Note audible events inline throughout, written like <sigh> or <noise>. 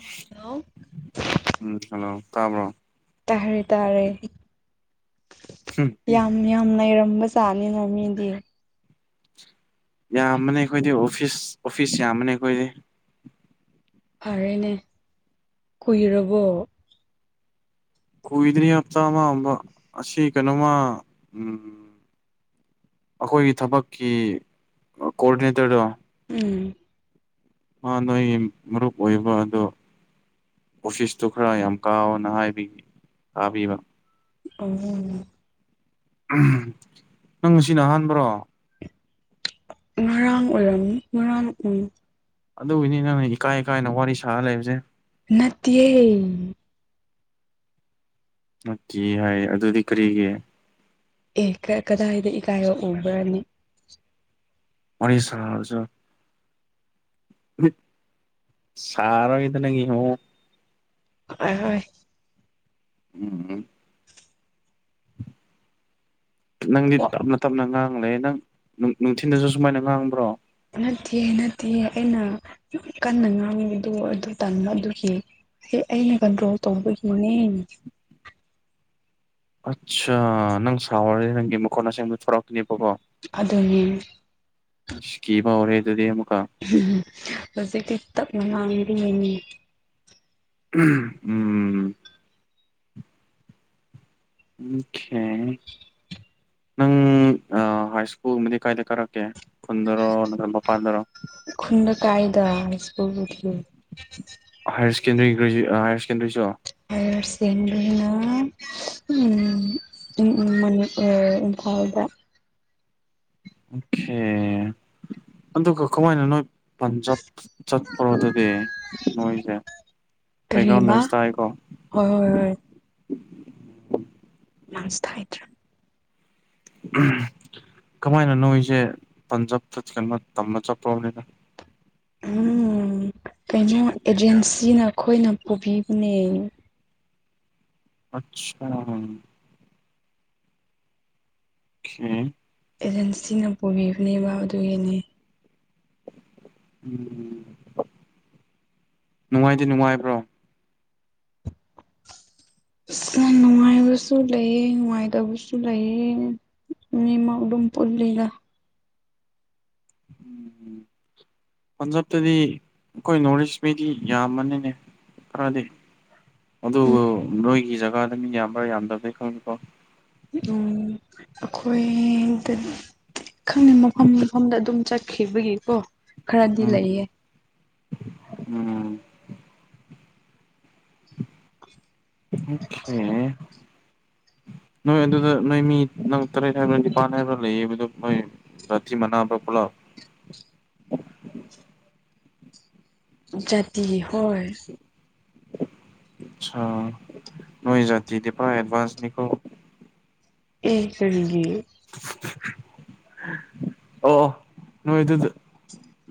hello ꯎꯝ hello ꯀꯥꯕ꯭ꯔꯣ ꯇꯔꯦ ꯇꯥꯔꯦ ꯍꯨꯝ ꯌꯥꯝ ꯌꯥꯝ ꯂꯩꯔꯝꯕꯖꯥꯠꯅꯤꯅ ꯃꯤꯗꯤ ꯌꯥꯝꯕꯅꯦ ꯑꯩꯈꯣꯏꯗꯤ ꯑꯣꯐꯤꯁ ꯑꯣꯐꯤꯁ ꯌꯥꯝꯕꯅꯦ ꯑꯩꯈꯣꯏꯗꯤ ꯐꯥꯔꯦꯅꯦ ꯀꯨꯏꯔꯔꯕꯣ ꯀꯨꯏꯗꯅꯤ ꯍꯥꯞꯇꯥ ꯑꯃ ꯑꯁꯤ ꯀꯩꯅꯣꯃ ꯎꯝ ꯑꯩꯈꯣꯏꯒꯤ ꯊꯕꯛꯀꯤ ꯀꯣꯑꯣꯗꯤꯅꯦꯇꯔꯗꯣ ꯎꯝ ꯑ ꯅꯣꯏ ꯃꯔꯨꯞ ꯑꯣꯏꯕ ꯑꯗꯣ ꯑꯣꯁꯤꯤꯁꯇꯨ ꯈꯔ ꯌꯥꯝ ꯀꯥꯎꯅ ꯍꯥꯏꯕ ꯇꯥꯕꯤꯕ ꯑ ꯅꯪ ꯁꯤꯅ ꯑꯍꯥꯟꯕ꯭ꯔꯣ <inaudible> ꯑꯗꯨꯒꯤꯅꯤ ꯅꯪꯅ ꯏꯀꯥꯏ ꯏꯀꯥꯏꯅ ꯋꯥꯔꯤ ꯁꯥꯔ ꯂꯩꯕꯁꯦ ꯅꯠꯇꯤꯌꯦ ꯅꯠꯇꯤꯌꯦ ꯍꯥꯏ ꯑꯗꯨꯗꯤ ꯀꯔꯤꯒꯤ ꯑꯦ ꯀꯗꯥꯏꯗ ꯏꯀꯥꯏꯕ ꯎꯈ꯭ꯔꯅꯤ ꯋꯥꯔꯤ ꯁꯥꯁꯤꯔꯣ ꯁꯥꯥꯔꯣꯏꯗ ꯅꯪꯒꯤ ꯃꯑꯣꯡ ꯍꯣꯏ ꯍꯣꯏ ꯎꯝ ꯅꯪꯗꯤ ꯇꯞꯅ ꯇꯞꯅ ꯉꯥꯡꯂꯦ ꯅꯪ ꯅꯨꯡꯊꯤꯟꯗꯁꯨ ꯁꯨꯃꯥꯏꯅ ꯉꯥꯡꯕ꯭ꯔꯣ ꯅꯠꯇꯦ ꯅꯠꯇꯦ ꯑꯩꯅ ꯀꯟꯅ ꯉꯥꯡꯕꯗꯨ ꯑꯗꯨ ꯇꯟꯕꯥ ꯑꯗꯨꯒꯤ ꯁꯤ ꯑꯩꯅ ꯀꯟꯇ꯭ꯔꯣꯜ ꯇꯧꯕꯒꯤꯅꯦ ꯑꯠꯁꯥ ꯅꯪ ꯁꯥꯎꯔꯗꯤ ꯅꯪꯒꯤ ꯃꯈꯣꯟꯠ ꯑꯁꯦꯡꯕ ꯊꯣꯔꯛꯇꯔꯤꯕꯀꯣ ꯑꯗꯨꯅꯤ ꯑꯁ ꯀꯤꯕ ꯍꯧꯔꯦ ꯑꯗꯨꯗꯤ ꯑꯃꯨꯛ ꯍꯧꯖꯤꯛꯇꯤ ꯇꯞꯅꯥ ꯉꯥꯡꯕꯤꯒꯅꯤ ꯎꯝ ꯎꯝ ꯈꯦ <inaudible> ꯅꯪ ꯍꯥꯏ ꯁꯀ꯭ꯨꯜ ꯑꯃꯗꯤ ꯀꯥꯏꯗ ꯀꯥꯔꯛꯀꯦ ꯈꯨꯟꯗꯔꯣ ꯅꯠꯇ꯭ꯔꯒ ꯃꯄꯥꯟꯗꯔꯣ ꯈꯨꯨꯟꯗꯥ ꯀꯥꯏꯗ ꯁꯀ꯭ꯨꯜꯕꯨꯗꯤ ꯍꯥꯏꯌꯔꯁꯀꯦꯟꯗꯔꯤ ꯒꯔ꯭ꯦꯖꯨ ꯍꯥꯏꯌꯔꯁꯀꯦꯟꯗꯔ꯭ꯤ ꯁꯨ ꯍꯥꯏꯌꯔꯁꯀꯦꯟꯗꯔ꯭ꯤꯅꯥ ꯎꯝ ꯎꯝ ꯎꯝ ꯃꯅꯤꯄꯨꯔ ꯏꯝꯐꯥꯜꯗ ꯑꯣꯈꯦ ꯑꯗꯨꯒ ꯀꯃꯥꯏꯅ ꯅꯣꯏ ꯄꯟꯖꯥꯕ ꯆꯠꯄ꯭ꯔꯣ ꯑꯗꯨꯗꯤ ꯃꯣꯏꯁꯦ ꯕꯦꯛꯒ꯭ꯔꯥꯎꯟ ꯅꯣꯏꯁ ꯀꯔꯤꯕ ꯇꯥꯏꯀꯣ ꯍꯣꯏ ꯍꯣꯏ ꯍꯣꯏ ꯃꯥꯡꯁ ꯊꯥꯏꯗ꯭ꯔꯥ ꯎꯝ ꯀꯃꯥꯏꯅ ꯅꯣꯏꯁꯦ ꯄꯟꯖꯥꯕ ꯐꯨꯠ ꯆꯤꯀꯟ ꯅꯣꯏ ꯇꯝꯕ ꯆꯞꯄ꯭ꯔꯣꯕꯅꯤꯅ ꯎꯝ ꯀꯩꯅꯣ ꯑꯦꯖꯦꯟꯁꯤꯅ ꯑꯩꯈꯣꯏꯅ ꯄꯨꯕꯤꯕꯅꯦ ꯑꯠꯁꯥ ꯍꯝ ꯑꯦꯖꯦꯟꯁꯤꯅ ꯄꯨꯕꯤꯕꯅꯦꯕ ꯑꯗꯨꯒꯤꯅꯦ ꯎꯝ ꯅꯨꯡꯉꯥꯏꯗꯤ ꯅꯨꯡꯉꯥꯏꯕ꯭ꯔꯣ ꯅꯨꯡꯕꯁꯨ ꯂꯩꯑꯦ ꯅꯨꯡꯉꯥꯏꯇꯕꯁꯨ ꯂꯩꯑꯦ ꯃꯤꯃꯥꯡ ꯑꯗꯨꯝ ꯄꯨꯜꯂꯤꯒ ꯎꯝ ꯄꯟꯖꯥꯕꯇꯗꯤ ꯑꯩꯈꯣꯏ ꯅꯣꯔꯠ ꯏꯁ ꯃꯤꯗꯤ ꯌꯥꯝꯃꯅꯤꯅꯦ ꯀꯗꯤ ꯑꯗꯨꯒ ꯅꯣꯏꯒꯤ ꯖꯒꯥꯗ ꯃꯤ ꯌꯥꯝꯕ꯭ꯔꯥ ꯌꯥꯝꯗꯕꯗꯩ ꯈꯪꯉꯦꯀꯣ ꯎꯝ ꯑꯩꯈꯣꯏ ꯈꯪꯅꯤ ꯃꯐꯝ ꯃꯐꯝꯗ ꯑꯗꯨꯝ ꯆꯠ ꯈꯤꯕꯒꯤꯀꯣ ꯈꯔꯗꯤ ꯎꯝ ꯂꯩꯌꯦ ꯎꯝ ꯑꯣꯈꯦ ꯅꯣꯏ ꯑꯗꯨꯗ ꯅꯣꯏ ꯃꯤ ꯅꯪ ꯇꯔꯦꯠ ꯍꯥꯏꯕ꯭ꯔꯥ ꯅꯤꯄꯥꯟ ꯍꯥꯏꯕ꯭ꯔꯥ ꯂꯩꯌꯦꯕꯗꯣ ꯅꯣꯏ ꯕꯥꯊꯤ ꯃꯅꯥꯎꯗꯣ ꯄꯨꯂꯞ <inaudible> ꯖꯥꯇꯤ ꯍꯣꯏꯁ ꯁꯥ ꯅꯣꯏꯖꯇꯤꯗꯤ ꯄꯥ ꯑꯦꯚꯥꯟꯁꯅꯤꯀꯣ ꯑꯦ ꯀꯔꯤꯒꯤ ꯑꯣ ꯅꯣꯏ ꯏꯗꯨ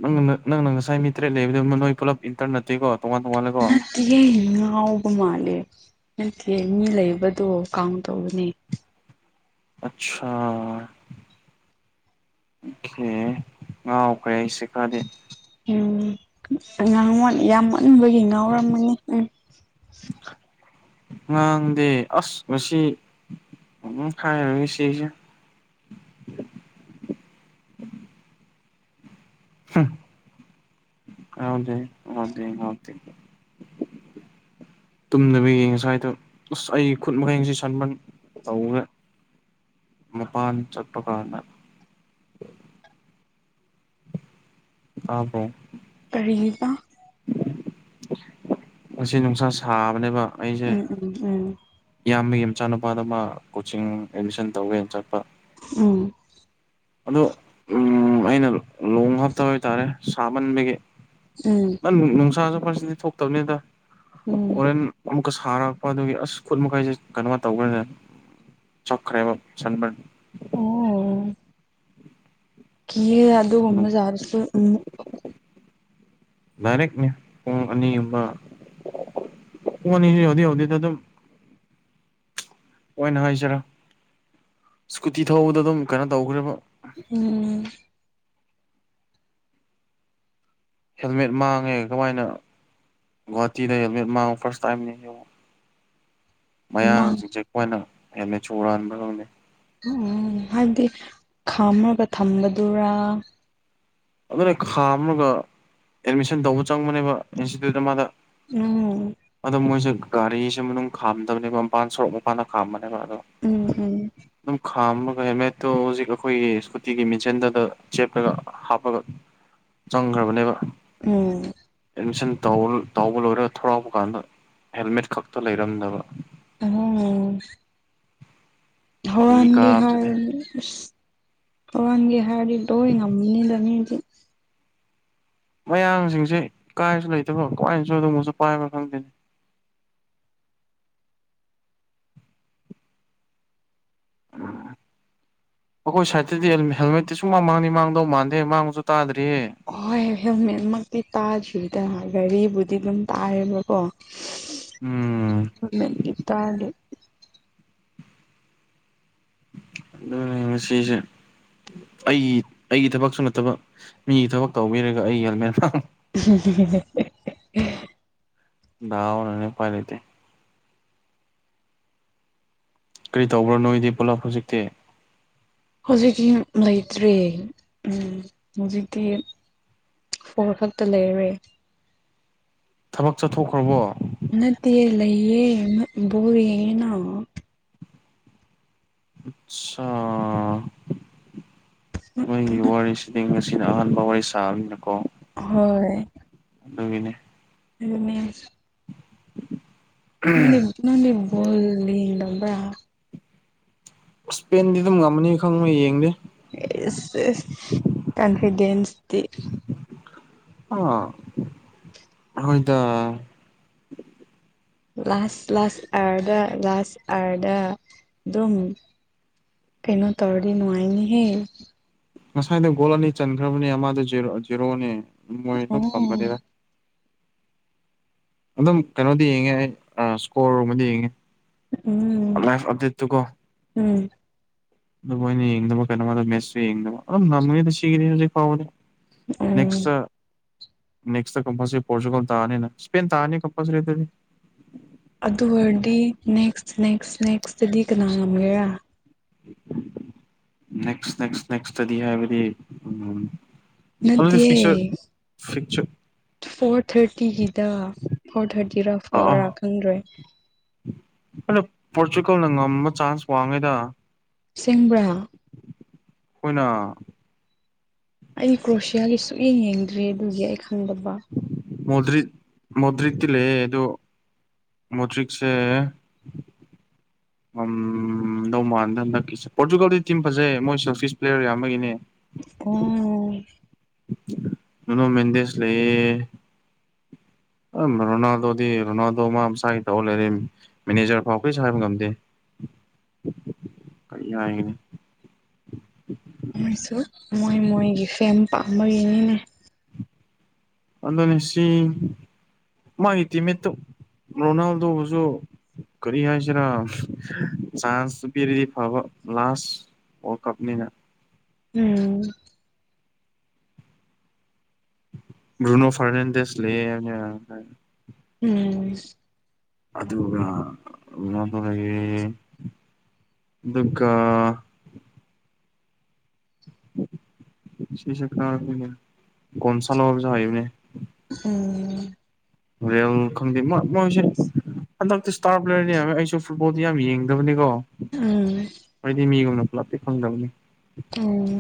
ꯅꯪ ꯅꯪꯅ ꯉꯁꯥꯏ ꯃꯤ ꯇꯔꯦꯠ ꯂꯩꯕꯗꯨ ꯅꯣꯏ ꯄꯨꯂꯞ ꯏꯟꯇꯔ ꯅꯠꯇꯦꯀꯣ ꯇꯣꯉꯥꯟ ꯇꯣꯉꯥꯟꯂꯦꯀꯣ ꯅꯠꯇꯒ ꯉꯎꯕ ꯃꯥꯜ ꯅꯠꯇꯦ ꯃꯤ ꯂꯩꯕꯗꯣ ꯀꯥꯡ ꯇꯧꯕꯅꯦ ꯑꯆꯥꯥ ꯦ ꯉꯥꯎꯈ꯭ꯔꯦ ꯑꯩ ꯁꯤ ꯈꯗꯤ ꯎꯝ ꯉꯥꯡꯣꯟ ꯌꯥꯝ ꯑꯣꯟꯕꯒꯤ ꯉꯥꯎꯔꯝꯃꯅꯤ ꯎꯝ ꯉꯥꯡꯗꯦ ꯑꯁ ꯉꯁꯤ ꯎꯝ ꯈꯥꯏꯅ ꯃꯤꯁꯤꯁꯤꯦ <inaudible> ꯍꯗ ꯍꯗꯦ ꯍꯗꯤꯦ <inaudible> ꯇꯨꯝꯗꯅꯕ ꯌꯦꯡꯉ ꯁ꯭ꯋꯥꯏꯗꯣ ꯑꯁ ꯑꯩ ꯈꯨꯠ ꯃꯈꯩꯁꯤ ꯁꯟꯝꯕꯟ ꯇꯧꯈꯦ ꯃꯄꯥꯟ ꯆꯠꯄ ꯀꯥꯟꯅ ꯑꯕꯣ ꯔꯤꯍꯤꯗ ꯉ ꯅꯨꯡꯁꯥ ꯁꯥꯕꯅꯦꯕ ꯑꯩꯁꯦ ꯎꯝ ꯎꯝ ꯎꯝ ꯏꯌꯥꯝꯕꯒꯤ ꯃꯆꯥꯅꯨꯄꯥꯗ ꯃꯥ ꯀꯣꯆꯤꯡ ꯑꯦꯗꯃꯤꯁꯟ ꯇꯧꯒꯦꯅ ꯆꯠꯄ ꯑꯝ ꯑꯗꯣ ꯎ ꯑꯩꯅ ꯂꯍ ꯍꯥꯞꯇꯕ ꯍꯥꯏꯇꯥꯔꯦ ꯁꯥꯃꯟꯕꯒꯤ ꯎꯝ ꯎꯝ ꯅꯪ ꯅꯨꯡꯁꯥꯁꯨ ꯐꯁꯤꯗꯤ ꯊꯣꯛꯇꯕꯅꯤꯗ ꯎꯝ ꯍꯣꯔꯦꯟ ꯑꯃꯨ ꯑꯃꯨꯛꯀ ꯁꯥꯔꯛꯄ ꯑꯗꯨꯒꯤ ꯑꯁ ꯈꯨꯠ ꯃꯈꯩꯁꯦ ꯀꯩꯅꯣꯃ ꯇꯧꯈ꯭ꯔꯦꯅꯦ ꯆꯈ꯭ꯔꯦꯕ ꯁꯟꯃꯟ ꯑꯣ ꯌꯦ ꯌꯥ ꯑꯗꯨꯒꯃꯦ ꯁꯥꯔꯁꯨ ꯎ ꯏꯔꯦꯛꯅꯦꯨꯡ ꯑꯅꯤ ꯀꯅꯤ ꯍꯧꯗꯤ ꯍꯧꯗꯤꯗ ꯑꯗꯨꯝ ꯑꯣꯏꯅ ꯍꯥꯏꯁꯤꯔ ꯁꯀꯨꯇꯤ ꯊꯧꯕꯗ ꯑꯗꯨꯝ ꯀꯩꯅꯣ ꯇꯧꯈ꯭ꯔꯕ ꯎꯝ ꯍꯦꯜꯃꯦꯠ ꯃꯥꯡꯉꯦ ꯀꯃꯥꯏꯅ ꯍꯇꯤꯗ ꯍꯦꯜꯃꯦꯠ ꯃꯥ ꯐꯁ ꯇ ꯃꯥꯡ ꯃꯌꯥꯡꯁꯤꯡꯁꯦ ꯑꯩꯈꯣꯏꯅ ꯍꯦꯟꯅ ꯆꯨꯔꯨꯔ ꯍꯟꯥꯟꯕ ꯉꯝꯅꯤ ꯎ ꯍꯥꯏꯕꯗꯤ ꯈꯥꯝꯃꯒ ꯊꯝꯕꯗꯨꯔꯥ ꯑꯗꯨꯅ ꯈꯥ ꯑꯃꯒ ꯑꯦꯠꯃꯤꯁꯟ ꯇꯧꯕ ꯆꯪꯕꯅꯦꯕ ꯏꯟꯁꯇꯤꯇ꯭ꯌꯨꯠꯇ ꯃꯥꯗ ꯎꯝ ꯒꯥꯔꯤꯁꯤꯃ ꯑꯗꯨꯝ ꯈꯥꯝꯗꯕꯅꯦꯕ ꯃꯄꯥꯟ ꯁꯣꯔꯣꯛ ꯃꯄꯥꯟꯗ ꯈꯥꯝꯕꯅꯦꯕ ꯑꯗꯣ ꯎꯝ ꯎꯝ ꯑꯗꯨꯝ ꯊꯥꯝꯃꯒ ꯍꯦꯜꯃꯦꯠꯇꯣ ꯍꯧꯖꯤꯛ ꯑꯩꯈꯣꯏꯒꯤ ꯁ꯭ꯀꯨꯇꯤꯒꯤ ꯃꯤꯆꯟꯗꯗ ꯆꯦꯞꯂꯒ ꯍꯥꯞ ꯑꯐꯕ ꯆꯪꯈ꯭ꯔꯕꯅꯦꯕ ꯎꯝ ꯇꯥꯎꯧꯕ ꯂꯣꯏꯔꯒ ꯊꯧꯔꯥꯎꯄ ꯀꯥꯟꯗ ꯍꯦꯜꯃꯦꯠ ꯈꯛꯇ ꯂꯩꯔꯝꯗꯕ ꯑꯣ ꯏ ꯍꯔꯦ ꯀꯥꯕꯁꯤꯅꯦ ꯍꯥꯏꯔ ꯄꯒꯤ ꯍꯥꯏꯗꯣ ꯉꯝꯅꯤꯗꯅꯤꯗꯤ ꯃꯌꯥꯡꯁꯤꯡꯁꯤ ꯀꯥꯏꯁꯨ ꯂꯩꯇꯕ ꯀꯃꯥꯏꯅꯁꯨ ꯑꯗꯨꯒꯕꯁꯨ ꯄꯥꯏꯕ ꯈꯪꯗꯦꯅꯤ ꯑ ꯑꯩꯈꯣꯏ ꯁꯥꯏꯠꯇꯗꯤ ꯍꯦꯜꯃꯦꯠꯇꯤ ꯁꯨꯡ ꯃꯥꯡꯅꯤ ꯃꯥꯡꯗꯧ ꯃꯥꯟꯗꯦ ꯃꯥꯡꯉꯁꯨ ꯇꯥꯗ꯭ꯔꯦ ꯍꯣꯏ ꯍꯦꯜꯃꯦꯠꯃꯛꯇꯤ ꯇꯥꯗ꯭ꯔꯤꯗꯅ ꯒꯥꯔꯤꯕꯨꯗꯤ ꯑꯗꯨꯝ ꯇꯥꯔꯦꯕꯀꯣ ꯎꯝ ꯃꯦ ꯏ ꯇꯒꯗꯤ ꯑꯗꯅ ꯁꯤꯦꯁꯦ ꯑꯩꯒꯤ ꯑꯩꯒꯤ ꯊꯕꯛꯁꯨ ꯅꯠꯇꯕ ꯃꯤꯒꯤ ꯊꯕꯛ ꯇꯧꯕꯤꯔꯒ ꯑꯩ ꯍꯦꯜꯃꯦꯠ ꯎ ꯅꯅꯦ ꯄꯥꯏ ꯂꯩꯇ ꯀꯔꯤ ꯇꯧꯕ꯭ꯔꯣ ꯅꯣꯏꯗꯤ ꯄꯨꯂꯞ ꯍꯧꯖꯤꯛꯇꯤ ꯍꯧꯖꯤꯛꯀꯤ ꯂꯩꯇ꯭ꯔꯦ ꯍꯧꯖꯤꯛꯇꯤ ꯐꯣꯔ ꯈꯛꯇ ꯂꯩꯔꯦ ꯊꯕꯛ ꯆꯠꯊꯣꯛꯈ꯭ꯔꯕꯣ ꯅꯠꯇ ꯂꯩꯦ ꯔꯤꯅ ꯑꯆꯥ ꯋꯥꯁꯤꯗꯤ ꯑꯁꯤꯁꯤꯅ ꯑꯍꯥꯟꯕꯥꯧꯋꯥ ꯋꯥꯔꯤ ꯁꯥꯅ ꯀꯧꯕ ꯍꯣꯏ ꯑꯗꯒꯅꯦ ꯑꯗꯨꯅꯤ ꯅꯗꯤ ꯅꯪꯗꯤꯕꯣꯜꯂꯤ ꯂꯕ꯭ꯔ ꯏꯁꯄꯦꯟꯗꯤ ꯑꯗꯨꯝ ꯉꯝꯃꯅꯤ ꯈꯪꯕꯣꯏ ꯌꯦꯡꯗꯦ ꯁ ꯀꯟꯐꯤꯗꯦꯟꯁꯗꯤ ꯑ ꯍꯣꯏꯗ ꯂꯥꯁ ꯂꯥꯁ ꯑꯥꯔꯗ ꯂꯥꯁ ꯑꯔꯗ ꯑꯗꯨꯝ ꯀꯩꯅꯣ ꯇꯧꯔꯤ ꯅꯉꯥꯏꯅꯤ ꯍꯦ ꯉꯁꯥꯏꯗ ꯒꯣꯜ ꯑꯅꯤ ꯆꯟꯈ꯭ꯔꯕꯅꯤ ꯑꯃꯗ ꯖꯦꯔꯣꯅꯤ ꯃꯣꯏ ꯑꯗꯨꯝ ꯎꯝ ꯉꯝꯒꯅꯤꯗ ꯑꯗꯨꯝ ꯀꯩꯅꯣꯗꯤ ꯌꯦꯡꯉꯦ ꯑꯩ ꯏꯁꯀꯣꯔꯒꯨꯝꯕꯗꯤ ꯌꯦꯡꯉꯦ ꯎꯝ ꯂꯥꯏꯐ ꯑꯞꯗꯦꯠꯇꯨꯀꯣ ꯎꯝ ꯑꯗꯨ ꯃꯣꯏꯅ ꯌꯦꯡꯗꯕ ꯀꯩꯅꯣ ꯑꯗꯨꯝ ꯃꯦꯠꯁꯨ ꯌꯦꯡꯗꯕ ꯑꯗꯨꯝ ꯅꯝꯅꯤꯗ ꯁꯤꯒꯤꯅꯤ ꯍꯧꯖꯤꯛ ꯐꯥꯎꯕꯅꯦ ꯑꯣ ꯅꯦꯛꯦꯛꯁ ꯅꯦꯛꯁ ꯀꯝꯄꯜꯔꯤ ꯄꯣꯣꯔꯆꯨꯒꯜ ꯇꯥꯅꯤ ꯁꯄ ꯇꯅꯤ ꯀꯝꯄꯜꯔꯤꯗꯤ ꯑꯗꯨ ꯑꯣꯏꯔꯗꯤ ꯅꯦꯛꯁ ꯅꯦꯛꯁ ꯅꯦꯛꯁꯇꯗꯤ ꯀꯅꯥ ꯉꯝꯒꯦꯔꯥ ꯅꯦꯛ ꯅꯦꯛꯁꯗꯤ ꯍꯥꯏꯕꯗꯤ ꯎ ꯑꯗꯨ ꯅꯠꯇꯦ ꯐꯤꯆꯔ ꯐꯤꯆ ꯐꯣꯔ ꯊꯥꯔꯇꯤꯒꯤꯗ ꯐꯣꯔ ꯊꯥꯔꯇꯤꯔꯥ ꯑꯥ ꯑꯥ ꯐꯣꯔꯔꯥ ꯈꯪꯗ꯭ꯔꯣꯏ ꯑꯗꯣ ꯄꯣꯔꯆꯨꯒꯜꯅ ꯉꯝꯕ ꯆꯥꯟꯁ ꯋꯥꯡꯉꯩꯗ ꯁꯤꯡꯕ꯭ꯔꯥ ꯍꯈꯣꯏꯅ ꯑꯩ ꯀ꯭ꯔꯣꯁꯤꯌꯥꯒꯤ ꯁꯨꯛꯌꯦꯡ ꯌꯦꯡꯗ꯭ꯔꯤ ꯑꯗꯨꯒꯤ ꯑꯩ ꯈꯪꯗꯕ ꯃꯗ꯭ꯔ ꯃꯗ꯭ꯔꯠꯇ ꯂꯩꯦ ꯑꯗꯨꯣ ꯃꯇꯔꯤꯛꯁꯦ <unintelligible> ꯎ ꯅꯧꯃꯥꯟꯗ ꯍꯟꯗꯛꯀꯤꯦ ꯄꯣꯔꯇꯨꯒꯥꯜꯒꯤ ꯇꯤꯝ ꯐꯖꯩ ꯃꯣꯏꯁꯨꯤꯁ ꯄ꯭ꯂꯦꯌꯔ ꯌꯥꯝ ꯑꯃꯒꯤꯅꯦ ꯑꯣ ꯅꯅꯣ ꯃꯦꯟꯗꯦꯁ ꯂꯩ ꯑ ꯔꯣꯅꯥꯜꯗꯣꯗꯤ ꯔꯣꯅꯥꯜꯗꯣ ꯃꯥꯥꯏꯒꯤ ꯇ ꯂꯩꯔ ꯃꯦꯅꯦꯖꯔ ꯐꯥꯎ ꯀꯩ ꯁ ꯍꯥꯏꯕ ꯉꯝꯗꯦ <unintelligible> ꯀꯩ ꯌꯥꯅꯦ ꯄꯝꯕ ꯏꯅꯤꯅꯦ ꯑꯗꯅꯦꯁꯤ ꯃꯥꯒꯤꯇ ꯃꯦꯠꯇ ꯔꯣꯅꯥꯜꯗꯣꯕꯨꯁꯨ ꯀꯔꯤ ꯍꯥꯏꯁꯤꯔ ꯆꯥꯟꯁꯇꯨ ꯄꯤꯔꯗꯤ ꯐꯕ ꯂꯥꯁ ꯋꯥꯔꯜ ꯀꯥꯞꯅꯤ ꯎꯝ ꯔꯨꯅꯣ ꯐꯥꯔꯅꯥꯟꯗꯤꯁ ꯂꯩ ꯎꯝ ꯑ ꯃꯦ ꯑꯗꯨꯒꯗꯨ ꯁꯤꯁ ꯈꯥ ꯀꯣꯟꯁꯂꯣ ꯆꯕꯅꯦ ꯎꯝ ꯔ ꯈꯪꯗꯤꯁ ꯍꯟꯗꯛꯇꯤ ꯏꯁꯇꯥꯔ ꯄ꯭ꯂꯦꯌꯔꯅꯦ ꯍꯥꯏꯃꯦ ꯑꯩꯁꯨ ꯐꯨꯠꯕꯣꯜꯗꯤ ꯌꯥꯝ ꯌꯦꯡꯗꯕꯅꯤꯀꯣ ꯎꯝ ꯑꯩꯗꯤ ꯃꯤꯒꯅꯄꯂꯥꯛꯇ ꯐꯪꯒꯅꯤ ꯎꯝ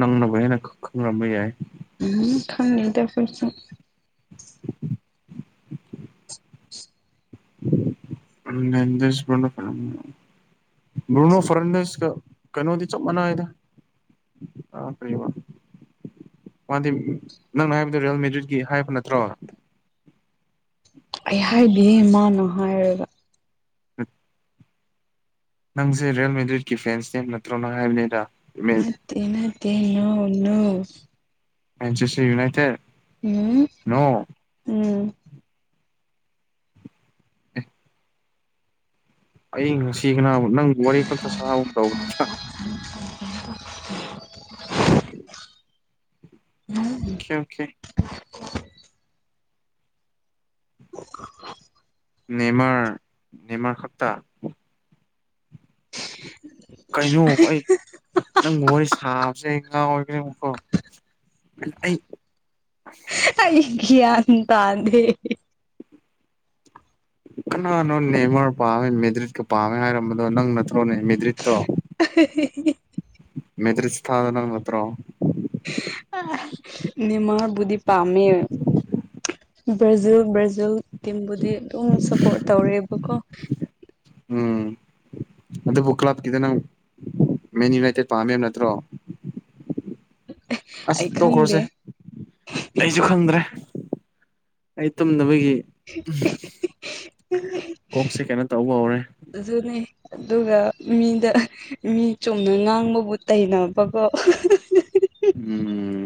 ꯅꯪꯅꯅꯕ ꯍꯦꯅ ꯈꯪꯔꯝꯕ ꯌꯥꯏ ꯈꯪꯅꯤꯗ ꯐꯁꯨ ꯎꯝꯁꯤꯄꯅ ꯐꯔ ꯭ꯔꯨꯅꯣ ꯐꯔꯅꯥꯦꯟꯗꯁꯀ ꯀꯩꯅꯣꯗꯤ ꯆꯞ ꯃꯥꯟꯅꯥꯏꯗ ꯑꯥ ꯐꯔꯤꯃ ꯃꯥꯗꯤ ꯅꯪꯅ ꯍꯥꯏꯕꯗꯣ ꯔꯤꯜ ꯃꯦꯗꯤꯠꯀꯤ ꯍꯥꯏꯕ ꯅꯠꯇ꯭ꯔꯣ ꯑꯩ ꯍꯥꯏꯕꯤꯌꯦ ꯏꯃꯅꯣ ꯍꯥꯏꯔꯒ ꯎꯝ ꯅꯪꯁꯦ ꯔꯤꯌꯦꯜꯃꯤ ꯗꯏꯠꯀꯤ ꯐꯦꯟꯁ ꯅꯦꯝ ꯅꯠꯇ꯭ꯔꯣꯅ ꯍꯥꯏꯕꯅꯤꯗ ꯃꯦ ꯃꯠꯇꯦ ꯅꯧꯅꯧ ꯃꯆꯦꯁꯇꯔ ꯌꯨꯅꯥꯏꯇꯦꯠ ꯎꯝ ꯅꯣ ꯎꯝ ꯑ ꯉꯁꯤ ꯅꯪ ꯋꯥꯔꯤ ꯈꯛꯇ ꯁꯥ ꯇ <unintelligible> ꯑꯣꯦ ꯑꯣꯀꯦ <unintelligible> ꯅꯦꯃꯔ ꯅꯦꯃꯥ ꯁꯞꯇꯥ <unintelligible> ꯀꯩꯅꯣꯕ ꯑꯩ ꯅꯪ ꯋꯥꯔꯤ ꯁꯥꯕꯁꯦ ꯑꯩ ꯉꯥꯎ ꯑꯣꯏꯈꯅꯦꯕꯀꯣ ꯑꯩ ꯌꯥꯟ ꯇꯥꯥꯟꯗꯦ ꯅ ꯅ ꯅꯦꯃꯣꯟꯅ ꯄꯥꯝꯃꯦ ꯃꯦꯗ꯭ꯔꯤꯠꯀ ꯄꯥꯝꯃꯦ ꯍꯥꯏꯔꯝꯕꯗꯣ ꯅꯪ ꯅꯠꯇ꯭ꯔꯣꯅꯦ ꯃꯦꯗ꯭ꯔꯤꯠꯇꯣ <unintelligible> ꯃꯦꯇꯔꯤ ꯁꯥꯗꯅ ꯃꯥꯠꯇꯣ ꯃꯤꯃꯕꯨꯗꯤ ꯄꯝꯦ ꯕ꯭ꯔꯥꯖꯤꯜ ꯕ꯭ꯔꯥꯖꯤꯜ ꯇꯤꯝꯕꯨꯗꯤ ꯑꯗꯨꯝ ꯁꯞꯄꯣꯔꯠ ꯇꯧꯔꯦꯕꯀꯣ ꯎꯝ ꯑꯗꯨꯕꯨ ꯀ꯭ꯂꯕꯀꯤꯗ ꯅꯪ ꯃꯦꯟ ꯌꯨꯅꯥꯏꯇꯦꯠ ꯄꯥꯝꯃꯦꯕ ꯅꯠꯇ꯭ꯔꯣ ꯑꯁ ꯑꯩ ꯈꯪꯗꯦ ꯇꯣꯛꯈ꯭ꯔꯣꯁꯦ ꯑꯩꯁꯨ ꯈꯪꯗ꯭ꯔꯦ ꯑꯩ ꯇꯨꯝꯅꯕꯒꯤ ꯑꯩ ꯀꯣꯛꯁꯦ ꯀꯩꯅꯣ ꯇꯧꯕ ꯍꯧꯔꯦ ꯑꯗꯨꯅꯦ ꯑꯗꯨꯒ ꯃꯤꯗ ꯃꯤ ꯆꯨꯝꯅ ꯉꯥꯡꯕꯕꯨ ꯇꯩꯅꯕꯀꯣ ꯎꯝ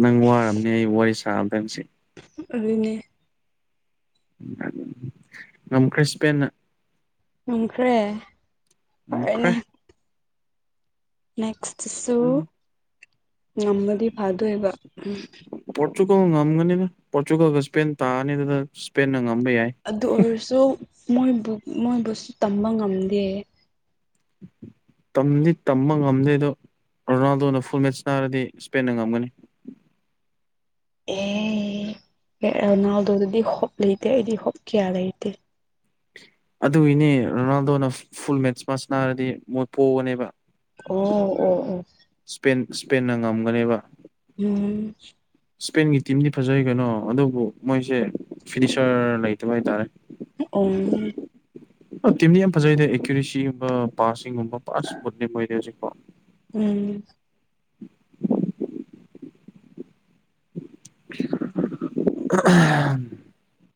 ꯅꯪ ꯋꯥꯔꯝꯅꯤ ꯑꯩ ꯋꯥꯔꯤ ꯁꯥꯝꯗꯪꯁꯦ ꯑꯗꯨꯅꯦ ꯅꯝ ꯀ꯭ꯔꯤꯁꯄꯦꯟꯅ ꯎꯈ꯭ꯔꯦ ꯑꯣꯈꯣꯏ ꯅꯦꯛꯁꯁꯨ ꯎꯝ ꯅꯃꯗꯤ ꯐꯥꯗꯑꯕ ꯎꯝ ꯄꯣꯔꯇꯨꯒꯜꯒ ꯉꯝꯒꯅꯤꯅ ꯄꯣꯔꯇꯨꯒꯜꯒ ꯏꯁꯄꯦꯟ ꯇꯥꯑꯅꯤꯅ ꯏꯁꯄ ꯑꯗꯨ ꯑꯣꯏꯔꯁꯨ ꯃꯣꯏꯕꯨ ꯃꯣꯏꯕꯨꯁꯨ ꯇꯝꯕ ꯉꯝꯗꯦ <unintelligible> ꯇꯝꯗꯤ ꯇꯝꯕ ꯉꯝꯗꯦꯗꯣ ꯔꯣꯅꯥꯜꯗꯣꯅ ꯐꯨꯜ ꯃꯦꯠꯆ ꯅꯥꯔꯗꯤ ꯏꯁꯄꯦꯟꯅ ꯉꯝꯒꯅꯤ ꯑꯣ ꯎꯗꯤ ꯍꯣꯞ ꯂꯩꯇꯦ ꯑꯩꯗꯤ ꯍꯣꯞ ꯀꯌꯥ ꯂꯩꯇꯦ ꯑꯗꯨꯒꯤꯅꯦ ꯔꯣꯅꯥꯜꯗꯣꯅ ꯐꯨꯜ ꯃꯦꯠꯁ ꯃꯥꯁ ꯅꯥꯔꯗꯤ ꯃꯣꯏ ꯄꯣꯛꯒꯅꯦꯕ ꯑꯣ ꯑꯣ ꯑꯣ ꯏꯁꯄꯦꯟꯅ ꯉꯝꯒꯅꯦꯕ ꯎꯝ ꯏꯁꯄꯦꯟꯒꯤ ꯇꯤꯝꯗꯤ ꯐꯖꯩ ꯀꯩꯅꯣ ꯑꯗꯨꯕꯨ ꯃꯣꯏꯁꯦ ꯐꯤꯅꯤꯁꯔ ꯂꯩꯇꯕ ꯍꯥꯏꯇꯥꯔꯦ ꯑꯣꯝ ꯇꯤꯝꯗꯤ ꯌꯥꯝ ꯐꯖꯩꯗꯦ ꯑꯦꯀ꯭ꯌꯨꯔꯦꯁꯤꯒꯨꯝꯕ ꯄꯥꯁꯁꯤꯡꯒꯨꯝꯕ ꯄꯥꯁ ꯠꯅꯦ ꯑꯣꯏꯗꯦ ꯍꯧꯖꯤꯛ ꯎꯝ <unintelligible>